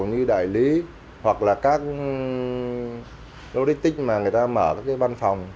như đại lý hoặc là các logistics mà người ta mở các cái văn phòng